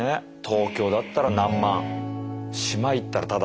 東京だったら何万島行ったらタダ。